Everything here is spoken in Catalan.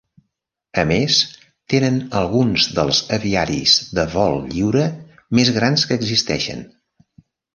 A més tenen alguns dels aviaris de vol lliure més grans que existeixen.